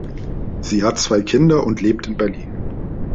Sie hat zwei Kinder und lebt in Berlin.